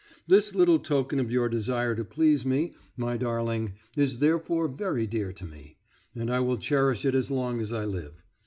This little token of your desire to please me, my darling, is therefore very dear to me, and I will cherish it as long as I live.